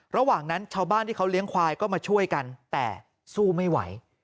ระหว่างนั้นชาวบ้านที่เขาเลี้ยงควายก็มาช่วยกันแต่สู้ไม่ไหว